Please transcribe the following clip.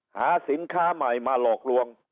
หาสินค้าใหม่มาหลอกลวง